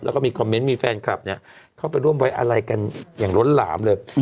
แล้วก็มีคอมเมนต์มีแฟนคลับเนี่ยเข้าไปร่วมไว้อะไรกันอย่างล้นหลามเลย